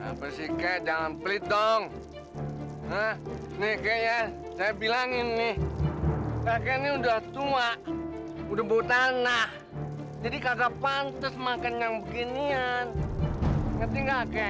nih kayaknya bilangin nih ini udah tua udah mau tanah jadi kagak pantas makan yang beginian